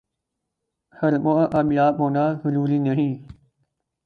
حربوں کا کامیاب ہونا ضروری نہیں